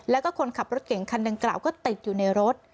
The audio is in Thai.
แล้วก็คนขับรถเก่งคันดังกล่าวก็ติดอยู่ในรถ